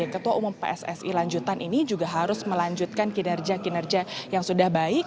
ketua umum pssi lanjutan ini juga harus melanjutkan kinerja kinerja yang sudah baik